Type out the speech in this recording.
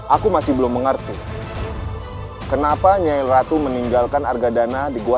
aku masih belum mengerti kenapa nyal ratu meninggalkan argadana di gua